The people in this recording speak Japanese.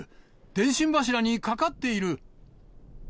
電信柱にかかっている。